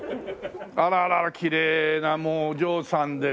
あららきれいなもうお嬢さんで。